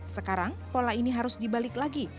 sekarang pola ini harus dibalik lagi